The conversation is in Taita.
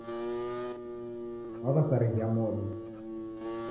Waw'asarighia mondo.